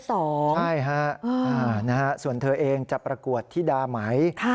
ใช่ฮะส่วนเธอเองจะประกวดธิดาไหม